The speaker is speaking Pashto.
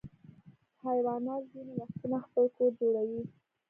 حیوانات ځینې وختونه خپل کور جوړوي.